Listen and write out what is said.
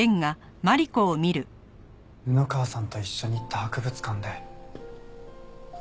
布川さんと一緒に行った博物館で。